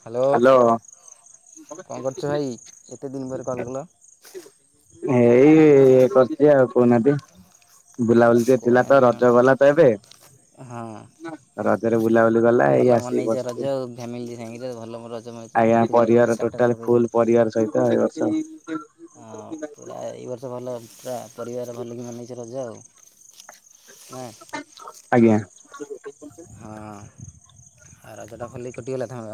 Hello କଣ କରୁଛ ଭାଇ ଏତେ ଦିନ ପରେ କଲ କଲ। ଏଇ ଇ କରି ଯେ ଆଉ କହୁନାହାନ୍ତି। ବୁଲାବୁଲି ଟେ ଥିଲା ତ କହୁନାହାନ୍ତି କଣ? ରଜ ଗଲା ତ ଏବେ ହଁ। ର ବୁଲାବୁଲି ଗଲା ଏଇ ଭଲ ଆସିକି ମନେଇଛ ରଜ ବସିଚ। ଆଉ ଫ୍ୟାମିଲି ସାଙ୍ଗି ଭଲ ମୋର ରଜ ମ ମୁଁ ଦେଖୁଛ ଖାଲି ସାର୍ଟାର୍ ପକେଇଛ। ସେ ଏ ବର୍ଷ ଭଲ। ପୁରା ପରିବାର ଭଲିକି ମନେଇଛି ରଜା ଆଉ ନା। ଆଞ। ଆ ରାଜଯୋଟା ଖଲି ଖଟିଆଲ ଲା।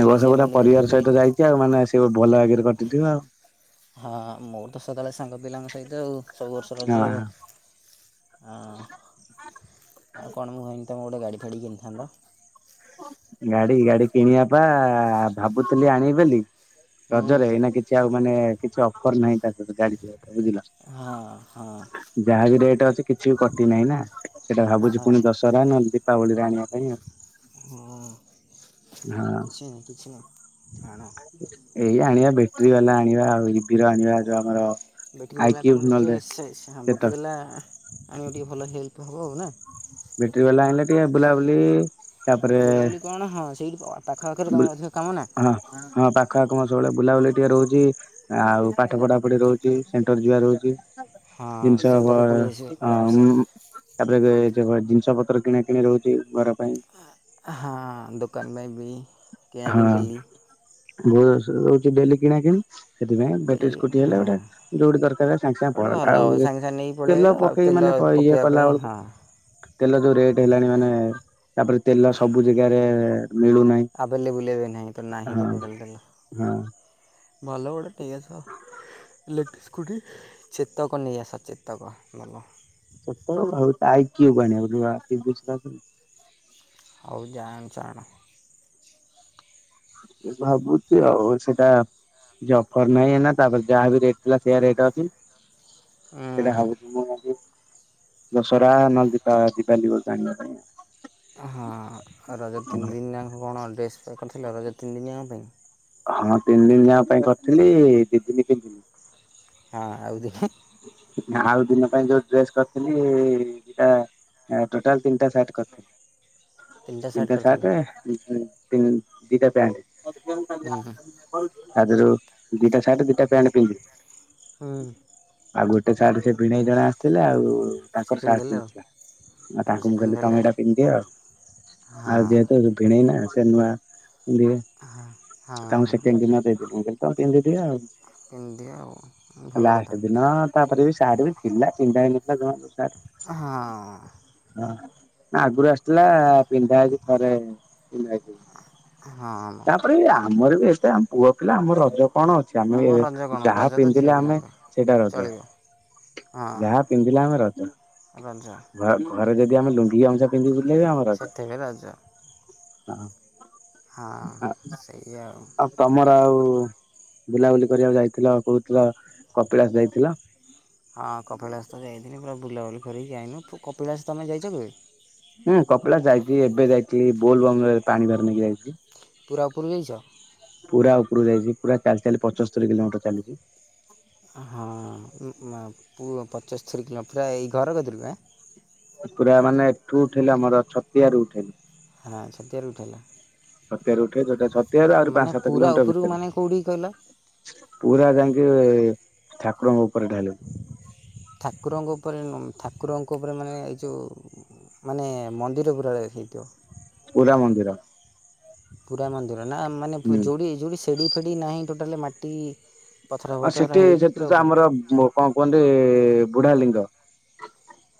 ଏ ସବୁଲା ପରିବାର ସହିତ ଯାଇଛି ଆଉ ମାନେ ସେ। ଭଲ ଆଗରେ କରିଟିଥିବ ଆଉ। ହଁ ମୋର ତ ସକାଳେ ସାଙ୍ଗ ପିଲାଙ୍କ ସହିତ ଆ ସବୁ ବର୍ଷ ରଜ ଆଉ ହଁ। ହଁ ଆଉ କଣ ମୁଁ ଏ। ତମେ ଗୋଟେ ଗାଡ଼ି ଫାଡ଼ି କିଣିଥାନ୍ତ। ଗାଡି ଗାଡି କିଣିବା ପା ଭାବୁଥିଲି ଆଣ ବୋଲି। ହୁଁ ରଜରେ ଏଇ ନା କିଛି ଆଉ ମାନେ। କିଛି ଅଫର ନାହିଁ ତା ସହିତ ଗାଡି। ବୁଝିଲ ହଁ ହଁ ଯାହାବ ରେଟ ଅଛି କିଛି ବି କଟି ନାହିଁ ନା ସେଟା ଭାବୁଛି ହଁ। ପୁଣି ଦଶହରା ନହ। ଦୀପାବଳିୀ ଆଣିବା ପାଇଁ ଆଉ। ହଁ ହଁ କିଛି ନା କିଛି ନା। ଏଇ ଆଣିବା ବେଶ। ବାଲା ଆଣିବା ଆଉ ରିବିର ଆଣିବା ଯଉ ଆମର। ବ୍ୟାଟୀ ଆଇ ବାଲା କ୍ୟୁବ୍ କାମରଛି ନହେଲେ ସେ ହ ଚେତକ ବ୍ୟାଟୀ ବାଲା। ଆମେ ଟିକେ ଭଲ ହେଲ୍ପ ହବ ହଉ ନା। ଏ ବୁଲାବୁଲି। ତାପରେ ବୁଲାବୁଲି କଣ ହଁ ସେଇଠି ପାଖପାଖରେ ତମର ଅଧିକ କାମ ନା। କଖା କମା ସବୁବେଳେ ବୁଲାବୁଲି ଟିକେ ରହୁଛି ଆଉ ପାଠ ପଢା ପଢି ରହୁଛି ସେଣ୍ଟର ଯିବା ରହୁଛି। ହଁ ଜିନଷ ଅ ସେଣ୍ଟର୍ରେ ପଳାଇ ଉ। ଆସିବ ଆରାମସେ [unintelligible] ସେହିଭଳିଆ ଜିନିଷ ପତ୍ର କିଣା କିିଣି ରହୁଛି ଘର ପାଇଁ। ହଁ ଦୋକାନ ପାଇଁ ବି। କିଣା କିଣି ଡେଲି। ବହୁ ଯୋରସରେ ହଉଛି ଡେଲି କିଣା କିଣି ସେଥିପାଇଁ ବେଟିରି ଡେଲି ହଁ ସ୍କୁଟିହେଲେ ଗୋଟେ ଯୋଉଠି ଦରକାର ସାଙ୍ଗେ ସାଙ୍ଗେ ଗୋଟେ ଭଲ ପଡଳଇଲ ହେବ ଆଉ ସାଙ୍ଗେ ସାଙ୍ଗେ ନେଇକି ପଳାଇ ଆଇଲ ତେଲ ଆଉ ପକେଇ ତେଲ ମାନେ ଇଏ ପକାଇବା କଲା ପାଇଁ ବେଳକୁ ହଁ ତେଲ ଯୋଉ ରେଟ୍ ହେଲାଣି ମାନେ ତାପରେ ତେଲ ସବୁ ଜାଗାରେ ମିଳୁ ନାହିଁ। ବୁଲେଇ ବେ ନାହିଁ ତ ନାହିଁ ତ ଟୋଟାଲ ତେଲ। ହଁ। ମଭ ଗୋଟେ ଟି ଅଛ। ଖୁଡ଼ି ଚେତ କ ନେଇ ଆସ ଚେତ କ ଭଲ। ଚପଲ ନହେଲେ ତ ଆଇକିଉ ଆଣିବାକୁ ହଉ ଯାହା ଆଣୁଚ ଆଣ। ସେ ଭାବୁଛି ଆଉ ସେଟା ଅଫର ନାହିଁନା ତାପରେ ଯାହା ବି ରେଟ୍ ଥିଲା ସେଇଆ ରେଟ ଅଛି। ସେଟା ହବ ତମ ଆ। ଦଶହରା ନହେଲେ ଦୀପା-ଦୀପାବଲି ବେଳକୁ ଆଣିବା ପାଇଁ। ହଁ ରଜ ତିନି ଦିନି ଆଙ୍କ କଣ ଡ୍ରେସ୍ କରିଥିଲ ରଜ ତିନିି ଦିନିଆଙ୍କ ପାଇଁ? ହଁ ତିନି ଦିନି ଆଙ୍କ ପାଇଁ କରିଥିଲି ଦି ଦିନି ପିନ୍ଧିଲି ହଁ ଆଉ ଦେଖେ। ଆଉ ଦିନ ପାଇଁ ଯୋଉ ଡ୍ରେସ କରିଥିଲି ଦିଟା ଟୋଟାଲ ତିନିଟା ସାର୍ଟ କରିଥିଲି। ତିନିଟା ସାର୍ଟ ତି ଦିଟା ପ୍ୟାଣ୍ଟ। ହୁଁ [unintelligible] ଆଜି ଯୋଉ ଦିଟା ସାର୍ଟ ଦିଟା ପ୍ୟାଣ୍ଟ ପିନ୍ଧି ହୁଁ। ଆଉ ଗୋଟେ ସାର୍ଟ ସେ ଭିଣେଇ ଜଣେ ଆସିଥିଲେ ଆଉ ସେ ତାଙ୍କର ପିନ୍ଧିଦେଲେ ସାର୍ଟ ଆଉ ନଥିଲା ଆଉ ତାଙ୍କୁ ସେ ମୁଁ କହିଲି ପିନ୍ଧିଦେଲେ ଆଉ ତମେଟା ପିନ୍ଧି ଆଉ ହଁ ଆଉ ଯେହେତୁ ଭିଣେଇନା ସେ ନୂଆ ପିନ୍ଧିବେ ହଁ ତାଙ୍କୁ ହଁ ସେକେଣ୍ଡ ଦିନ ଦେଇ ଦେଲି ମୁଁ କହିଲି ତମେ ପିନ୍ଧିଦିଅ ଆଉ। ପନ୍ଧିଦିଅ ଆଉ ଭଲ କଥା। ସେଦିନ ତାପରେ ବି ସେ ତାର ବି ଥିଲା ଛିଣ୍ଡା ହେଇନଥିଲା ଜମାରୁ ସାର୍ଟ। ହଁ। ନା ଆଗରୁ ଆସିଥିଲା ପିନ୍ଧା ହେଇଚି ଥରେ ପିନ୍ଧା ହେଇଚି ହଁ ମ। ଆମର ବି [unintelligible] ଆମ ପୁଅ ପିଲା ଆମ ରଜ କଣ ଅଛି ଆମେ ଆମ ରଜ କ'ଣ ଯାହା ରଜ ତ ଝିଅ ପିନ୍ଧିଲେ ଆମେ ପିଲାଙ୍କର ସେଇଟା ରଜ ଚଳିବ ହଁ ଯାହା ପିନ୍ଧିଲେ ଆମେ ରଜ ରଜ ଘରକୁ ଘରେ ଯଦି ଆମେ ଲୁଙ୍ଗୁ ଗାମୁଛା ପିନ୍ଧି ବୁଲୁ ସେଥିକି ରଜ। ହଁ। ହଁ ସେଇଆ ଆଉ। ହୁଁ ବୁଲାବୁଲି କରିବାକୁ ଯାଇଥିଲ ଆଉ କହୁଥିଲ କପିଳାସ ଯାଇଥିଲ ହଁ କପିଳାସ ତ ଯାଇଥିଲି ପୁରା ବୁଲାବୁଲି କରିକି ଯାଇନୁ କପିଳାସ ତମେ ଯାଇଚ କେବେ? ହୁଁ କପଳାସ ଯାଇଚି ଏବେ ଯାଇଥିଲି ବୋଲବମରେ ପାଣି ଭାର ନେଇକି ଯାଇଥିଲି। ପୁରା ଉପୁରୁକୁ ଯାଇଚ? ପୁରା ଉପୁରୁକୁ ଯାଇଚି ପୁରା ଚାଲି ଚାଲି ପଞ୍ଚସ୍ତରୀ କିଲୋମିଟର ଚାଲିଚି ହଁ ଉ ପୁ ପଚସ୍ତରୀ କିଲୋ ପୁରା ଏଇ ଘର କତିରୁ ଏଁ ପୁରା ମାନେ ଏଠୁ ଉଠେଇଲେ ଆମର ଛତିଆରୁ ଉଠେଇଲୁ। ହଁ ଛତିଆରୁ ଉଠେଇଲ। ଛତିଆରୁ ଉଠେଇଲ ଛତିଆରୁ ଆହୁରି ପାଞ୍ଚ ସାତ ପୁରା କିଲୋମିଟର ଉପରକୁ ଭିତରେ, ମାନେ କେଉଁଠିକି କହିଲ ପୁରା ଯାଇକି ଠାକୁରଙ୍କ ଉପରେ ଢାଳିବ। ଠାକୁରଙ୍କ ଉପରେ ଠାକୁରଙ୍କ ଉପରେ ମାନେ ଏ ଯେଉଁ ମାନେ ମନ୍ଦିର ପୁରା ହେଇଥିବ। ପୁରା ମନ୍ଦିର। ପୁରା ମନ୍ଦିର। ନା ମାନେ ହୁଁ ଯୋଡି ଯୋଡି ସେଡି ଫ୍ରୀ ନାହିଁ ଟୋଟାଲ ମାଟି ପଥର ଆ ଫଥର ସେଠି ହେଇକି ସେଠି ପୁରା ତ ଉପରେ ଆମର କଣ କୁହନ୍ତି ଏ ବୁଢା ଲିଙ୍ଗ।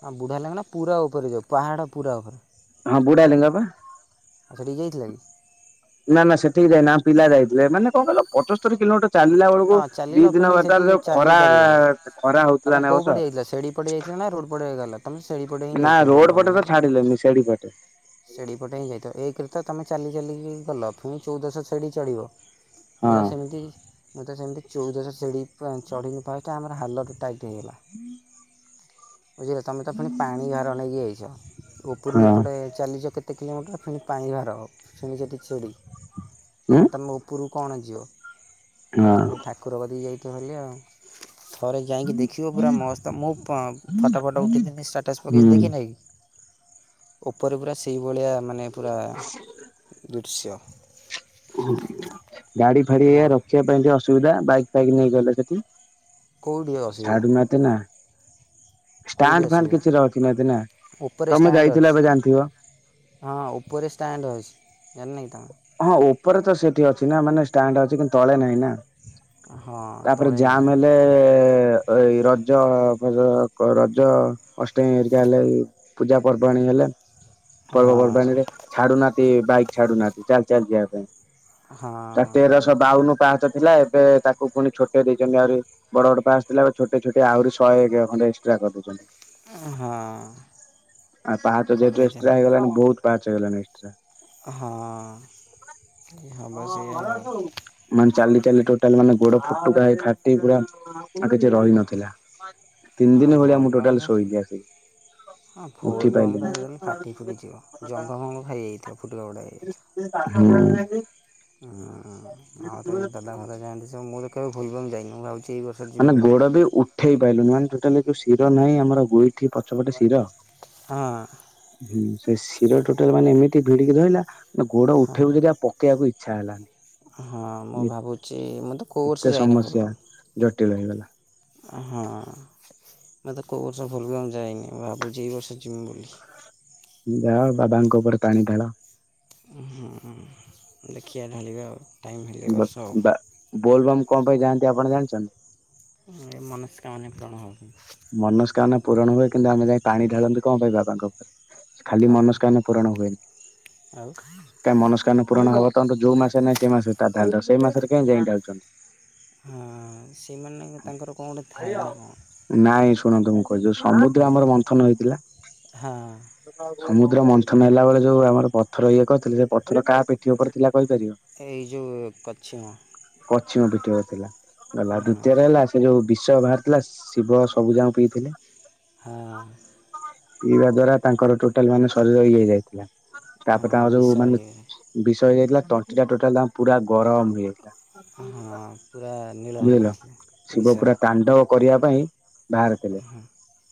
ହଁ ବୁଢ଼ା ଲିଙ୍ଗ ନା ପୁରା ଉପରେ ଯୋଉ ପାହାଡ଼ ପୁରା ଉପରେ ହଁ ବୁଢା ଲିଙ୍ଗ ପା। ଆଉ ସେଠିକି ଯାଇଥିଲ କି? ନା ନା ସେଠିକି ଯାଇନା ଆମ ପିଲା ଯାଇଥିବେ ମାନେ କଣ କହିଲ ପଞ୍ଚସ୍ତରି କିଲୋମିଟର ଚାଲିଲା ବେଳକୁ ହଁ ଦି ଚାଲିଲ ଦିନ ଫେଣି ସେଠି ବାଟରେ ଯୋ ଚାଲି ଖରା ପାରିବନି। ଖରା ତମେ ହଉଥିଲା ନା ଏ କୋଉ ବର୍ଷ, ପଟେ ଯାଇଥିଲ ସେଡି ପଟେ ଯାଇଥିଲ ନା ରୋଡ ପଟେ ଗଲ ତମେ ସେଡି ପଟେ ହିଁ ନା ଯାଇଥିବ ରୋଡ ପଟେ ତ ଛାଡିଲେନି ସେଡି ପଟେ ସିଡି ପଟେ ହିଁ ଯାଇଥିବ ଏକରେ ତ ତମେ ଚାଲି ଚାଲିକି ଗଲ ଫୁଣି ଚଉଦଶ ସିଡି ଚଢ଼ିବ। ହଁ [unintelligible] ସେମିତି ମୁଁ ତ ସେମିତି ଚଉଦଶ ସିଡି ପା ଚଢ଼ିକି ଫାଷ୍ଟ ଆମର ହାଲତ ଟାଇଟ୍ ହେଇଗଲା। ବୁଝିଲ ତମେ ତ ପୁଣି ପାଣି ଭାର ନେଇକି ଯାଇଚ ଉପରୁ ହଁ ଏପଟେ ଇଏ ଯୋଉ କେତେ କିଲୋମିଟର ଫୁଣି ପାଣି ଭାର ଫୁଣି ସେଠି ସିଡ଼ି ଉଁ ଆ ତମେ ଉପରୁ କଣ ଯିବ? ହଁ ତାମ ସେ ଠାକୁରବାଦ ଯାଇ [unintelligible] ଥରେ ଯାଇକି ଦେଖିବ ପୁରା ମସ୍ତ, ମୁଁ ଫଟ ଫଟ ଉଠେଥିନି ଷ୍ଟାଟସ ପକେଇଛି ହୁଁ ଦେଖିନକି? ଉପରେ ପୁରା ସେଇଭଳିଆ। ମାନେ ପୁରା [unintelligible] ହଁ। ଗାଡି ଫାଡି ଏଇୟା ରଖିବା ପାଇଁ ଟିକେ ଅସୁବିଧା ବାଇକ ବାଇକି ନେଇ ଗଲେ ସେଠି। କେଉଁଠି ଅସୁବିଧା ଛାଡ଼ୁ ନା ତେ ନା। କେଉଁଠି ଷ୍ଟାଣ୍ଡ ଫାଣ୍ଡ ଅସୁବିଧା କିଛି ରଖିନାହାନ୍ତି ନା ଉପରେ ତମେ ଷ୍ଟାଣ୍ଡ ଯାଇଥିଲ ଏବେ ଜାଣିଥିବ ଅଛି ହଁ ଉପରେ ଷ୍ଟାଣ୍ଡ ଅଛି ଜାଣିନ କି? ତୁମେ ହଁ ଉପରେ ତ ସେଠି ଅଛି ନା ମାନେ ଷ୍ଟାଣ୍ଡ ଅଛି କିନ୍ତ ତଳେ ନାହିଁ ନା। ହଁ ତାପରେ ତଳେ ନାହିଁ ଜାମ ହେଲେ ଏଇ ରଜ ଫଜ ରଜ ଅଷ୍ଟମୀ ହେରିକା ହେଲେ ପୂଜା ପର୍ବାଣିୀ ହେଲେ। ହଁ ପର୍ବପର୍ବାଣୀରେ ଛାଡୁନାତି। ବାଇକ ଛଡୁନା। ଚାଲ ଚାଲ ଯିବା ହଁ ପାଇଁ ତେରଶହ ବାଉନ ପାହା ଥିଲା ଏବେ ତାକୁ ପୁଣି ଛୋଟେ ଦେଇଛନ୍ତି ଆହୁରି ବଡ ବଡ ପା ଆସିଥିଲା ଛୋ ଛୋଟି ଆହୁରି ଶହେ ଏକ ଖଣ୍ଡେ ଏକ୍ସଟ୍ରା କରିଦେଇଛନ୍ତି। ହଁ ଆ ପାହା ତ ଯେହେତୁ ଏକ୍ସଟ୍ରା କରିଦେଇଛନ୍ତି ହେଇଗଲାଣି ବହୁତ ପାଚ ହେଲା ନେଟ୍ରା ହଁ। ହଁଁ ବସ ଉ ମାନେ ଚାଲି ଟୋଟାଲ ମାନେ ଗୋଡ ଫୁଟୁକା ହେ ଫା ପୁରା ଆଉ କିଛି ରହିନଥିଲା। ତିନି ହ ଦିନ ଭଳିଆ ମୁଁ ଭୁଲ ଟୋଟାଲ ବାମ ଶୋଇଲି ଆସିକି ହଁ ଉଠି ଭୁଲମ ପାଇଲିନି। ତେଲେ ଫାଟି ଫୁଟିଯିବ ଜଙ୍ଘମଙ୍ଗଳ ହୋଇଯାଇଥିବ ଫୁଟକାା ଫୁଡ଼ା ହେଇଯାଇଥିବ। କି? ହୁଁ ଆଉ ତ ଏଇ ଦାଦା ଭର ଯାଆନ୍ତି ସ ମୁଁ ତ କେ ଭଲ ଯାଇ ନ ଆଉ। ମାନେ ଗୋଡ ବି ଉଠେଇ। ଛୋଟାଉ ଶିରହିଁମର ଗୁଇଠି ପଛପଟେ ଶିର ହଁ। ହୁଁ ସେ ଶିର ଟୋଟାଲ ମାନେ ଏମିତି ଭିଡିକି ଧହିଲା। ନା ଗୋଡ ହଁ ଉଠେଇବ ଯି ଆଉ ପକେଇବାକୁଇଛା। ଇଚ୍ଛା ହେଲାଣି। ହଁ ମୁଁ ଭାବୁଛି ମୁଁ ତ କେଉଁର୍ ଏତେ ସେ ଯାଇନି ସମସ୍ୟା ଜଟିଳ ହେଇଗଲା। ହଁ ମତେ କେଉଁ ବର୍ଷ ଭୁଲ ବି ଆ ମୁ ଯାଇନି ଭାବୁଛି ଏଇ ବର୍ଷ ଜିମି ବୋଲି। ଯାଅ ବାବାଙ୍କ ଉପରେ ପାଣି ଢାଳ। ହଁ ଦେଖିବା ଢାଳିବା ଆଉ। ଟାଇମ୍ ହେଲେ ଏ ବା ବର୍ଷ ଆଉ। ବା ବୋଲବାମ୍ କଣ ପାଇଁ ଯାନ୍ତି। ଆପଣ ଜାଣିଛନ୍ତି। ଏ ମନସ୍କାମନା ପୂରଣ ହେବ। ମନସ୍କାମନା ପୂରଣ ହୁଏ କିନ୍ତୁ ଆମେ ଯାଇ ପାଣି ଢାଳନ୍ତି କଣ ପାଇଁ ବାବା ଙ୍କ ଉପରେ। ଖାଲି କଣ ପାଇଁ ମନସ୍କାନ ପୂରଣ ହୁଏନି ଆଉ ହଁ କାହି ମନସ୍କାନ ପୂରଣ ହବ ତ ଯୋଉ ମାସ ନାଇଁ ସେ ମାସଟା ଧ ସେଇ ମାସରେ କେହି ଯାଇ ଯାଉଛ। ହଁ ସେମାନେ ତାଙ୍କର କଣ ଗୋଟେ ଥାଏ ନା କଣ। ନାଇଁ ଶୁଣନ୍ତୁ ମୁଁ କ ଯୋଉ ସମୁଦ୍ର ହଁ ଆମର କୁହ ମନ୍ଥନ ହେଇଥିଲା ହଁ। ସମୁଦ୍ର ମନ୍ଥନ ନେଲା ବେଳେ ଯୋଉ ଆମର ପଥର ଇଏ କହିଥିଲେ ସେ ପଥର କାହା ପିଠି ଉପରେ ଥିଲା। କହିପାରିବ? ଏଇ ଯୋଉ କଛିମ ପଛିମ ପିଠି ଉପରେ ଥିଲା। ହେଲା ହଁ ଦ୍ଵିତୀୟ ରେ ହେଲା ସେ ଯୋଉ ଵି ସ ଭାରିଥିଲା ସ ଶିବ ସବୁ ଯାଁ ପିଇଥିଲେ। ହଁ ପିଇବା ଦ୍ଵାରା ତାଙ୍କର ଟୋଟାଲ ମାନେ ଶରୀର ଇ ହେଇ ଯାଇଥିଲା। ହଁ ତାପରେ ତାଙ୍କ ବିଷ ଯୋଉ ମାନେ ଇଏ ଵି। ଇଯାଇଥିଲା ତଣ୍ଟି ଟା ଟୋଟାଲ ପୁରା ଗରମ ହେଇଯାଇଥିଲା। ହଁ ପୁରା ନୀଳ ବୁଝିଲ ହେଇଯାଇଥିଲା ଶିବ ପୁରା ବିଷରେ। ତାଣ୍ଡବ କରିବା ପାଇଁ ଭାରିଥିଲେ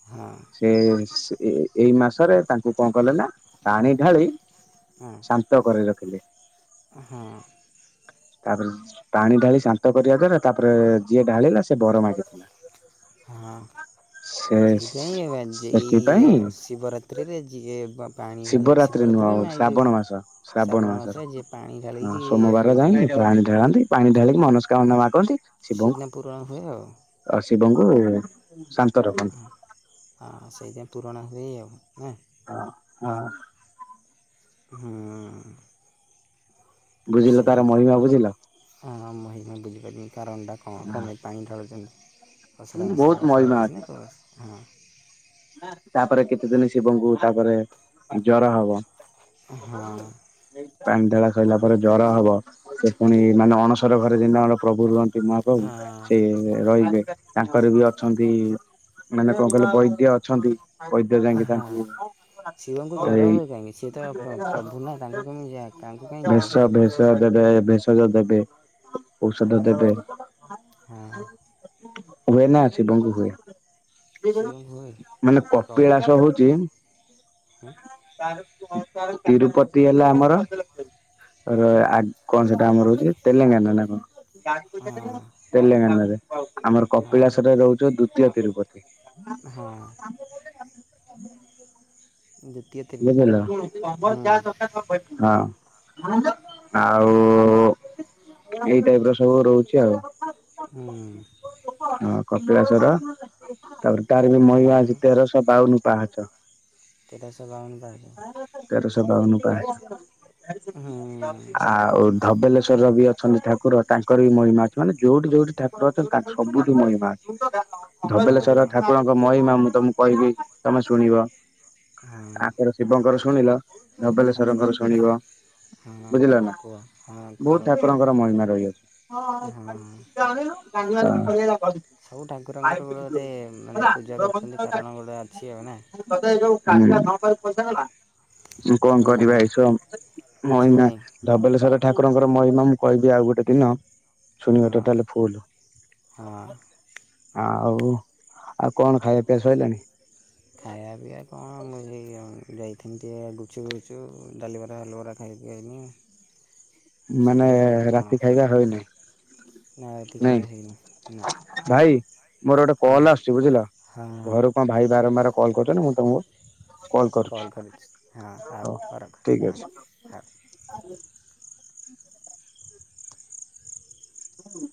ହଁ ସେଏ ସୁ ଏ ଏଇ ମାସରେ ତାଙ୍କୁ କଣ କଲେ ନା ପାଣି ଢାଳି ଶାନ୍ତ କରେଇ ଥିଲେ। ହୁଁ। ତାପରେ ପାଣି ଢାଳି ଶାନ୍ତ କରିବା ଦ୍ଵାରା ତାପରେ ଯିଏ ଢାଳିଲା ସେ ବର ମାଗିଥିଲା। ହଁ ସେ ସେଇପାଇଁ ଏଇ ଏ ସେଥିପାଇଁ ଶିବରାତ୍ରିରେ ଯିଏ ବା ପାଣି ଢାଳିକି ଶିବରାତ୍ରି ନୁହଁ ଶିବରାତ୍ରିରେ ଆଉ ନା ଏଇ ଯେଉଁ ଶ୍ରାବଣ ମାସ ଶ୍ରାବଣ ମାସର ମାସରେ ଯିଏ ପାଣି ହଁ ଢାଳିକି ଆଉ ସୋମବାର ଏଇ ଯାଇଁ ଯେଉଁ ପାଣି ଢାଳନ୍ତି। ପାଣି ଢାଳିକି ମନସ୍କାମନା ମାଗନ୍ତି। ଶିବଙ୍କୁ ସଦିନପୁର ହଉ। ଶିବଙ୍କୁ। ରଖନ୍ତି ହଁ ହ ସେଇ। ପୁରଣା ହେ ହେ ନାଁ। ହଁ ହଁ। ହଁ। ବୁଝିଲ ତାର ମହିମା ବୁଝିଲ। [unintelligible] କାରଣଟା କମା କମେ ପାଣି ଢାରୁୁଛନ୍ତି। ବହୁତ ମହିମା ଅଛି ଅସାମସ କ ହଁ। ତାପରେ କେତେ ଦିନ ଶିବଙ୍କୁ ତାପରେ ଜର ହବ। ହଁ ହଁ ପା। ଧେଳା ସୋଇିଲା ପରେ ଜ୍ୱର ହବ ସେ ପୁଣି ମାନେ ଅଣସର ଘରେ ଯେ ପ୍ରଭୁ। ଗୋ ମା ବାବୁ ସେ ହଁ ରହିବେ। ତାଙ୍କର ବି ଅଛନ୍ତି ମାନେ କଣ କହିଲେ ବୈଦ ଅଛନ୍ତି। ବୈଦ ଯାଇକି ହଁ ତାଙ୍କୁ ଶିବଙ୍କୁ ଜ୍ୱର ଏଇ ହୁଏ କାହିଁକି ସିଏ ତ ପ୍ର ପ୍ରଭୁ ନା ତାଙ୍କୁ କେମିତି ଯା ତାଙ୍କୁ କାହିଁ ଜ୍ୱର ଭେଷ ହୁଏ ଭେଷ ଦେବେ। ଭେଷଜ ଦେବେ। ଔଷଧ ଦେବେ। ହଁ ହୁଏ ନା ଅଛି ବଙ୍ଗ ହୁଏ। ସେ ମାନେ କପିଳାସ ହଉଛି। [unintelligible] ହଁ। ତିରୁପତି ହେଲା ଆମର କଣ ସେଟା ଆମର ରହୁଛି ତେଲେଙ୍ଗାନା ନା କଣ। ତେଲଙ୍ଗାନରେ। ହଉ। ଆମର ହଁ କପିଳା୍ୱରରେ ରହୁଛ। ଦୀୟ ତିରୁପତି। ହଁ। ହମ। ଦ୍ୱିତୀୟ ତିରୁପତି [inaudible] ନା ହୁଁ ଆଉ ଏଇ ଟାଇପ ର ସବୁ ରହୁଛି ଆଉ। ହଁ। କପିଳାସ ର ତାପରେ ତାର ବି କପିଳାସ ମହିମା ଅଛି ତେରଶହ ବାଉନ ପାହଚ। କେ ଇ ଟା ତେର ବାଉନ୍ ତେରଶହ ବାଉନ ପାହାଚ। ଆଉ ଧବଲେ ସ୍ୱର ବି ଅଛନ୍ତି ଠାକୁର ତାଙ୍କର ବି ମହିମା ଅଛି ମାନେ ଯୋଉଠି ଯୋଉଠି ଠାକୁର ଅଛନ୍ତି ତାଙ୍କ ସବୁଠି ମହିମା। ହଁ ଧବଳେଶ୍ୱର ଠାକୁରଙ୍କ ମହିମା ମୁ ତମକୁ କହିବି ତମେ ଶୁଣିବ। ଆଙ୍କର ହଁ। ଶିବଙ୍କର ଶୁଣିଲ ହଁ ଧବଲେଶ୍ଵରଙ୍କର ଶୁଣିବ ହଁ ବୁଝିଲ ନା କୁହ ହଁ କୁହ ବହୁତ ଠାକୁରଙ୍କର ମହିମା ରହିଅଛି। ହଁ ହଁ ଖାଇଛି ଦେ ଆଣିଲୁ ଡାଲମା ପଳାଇଲା। ସବୁ ଠାକୁରଙ୍କର ଗୋଟେ ଗୋଟେ ମାନେ ପୂଜା କରୁଛନ୍ତି କାରଣ ଗୋଟେ ଅଛି ଆଉ ନା ହୁଁ। ପଇସା ଦେଲା। କଣ କରିବା ହୁଁ ଏ ସବ ମହିମା ଶୁଭୁନି ଧବଳେଶ୍ୱର ଠାକୁରଙ୍କର ମହିମା ମୁଁ କହିବି ଆଉ ଗୋଟେ ଦିନ। ଶୁଣିବା ହଁ ଟୋଟାଲ ଫୁଲ। ହଁ ଆଉ ଆଉ କଣ ଖାଇବା ପି ବା ସଇଲାନି। ଖାଇବା ପିଆ କଣ ମୁ ସେଇଯାଇ ସେମିତି ଆ ଗୁପଚୁପ ଫୁପଚୁପ୍ ଡାଲିିବରା ହାଲୁବରା ଖାଇକି ଆଇଲି। ମାନେ ସେଇଆ ଆଉ କ'ଣ ରାତି ଖାଇବା ହଇନି ନା ରାତି ଖାଇବା ନାଇଁ ହେଇନି ନା ଭାଇ। ମୋର ଗୋଟେ ହଁ କଲ୍ ଆସୁଛି ବୁଝିଲ ହଁ ହଁ ଘରୁ କଣ ଭାଇ ବାରମ୍ବାର କଲ କରୁଛନ୍ତି ମୁଁ ତମକୁ କଲ୍ କରିଛି ହଁ ହଉ ହର ଠିକ ହ ଅଛି। ହଉ। ହୁଁ।